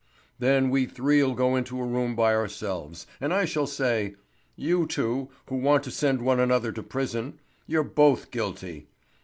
Then we three'll go into a room by ourselves, and I shall say: 'You two, who want to send one another to prison, you're both guilty.